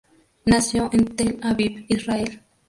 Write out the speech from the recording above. Nació en Tel Aviv, Israel.